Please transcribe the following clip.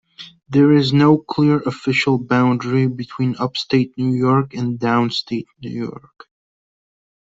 There is no clear official boundary between Upstate New York and Downstate New York.